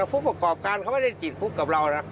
ผู้ประกอบการเขาไม่ได้ติดคุกกับเรานะ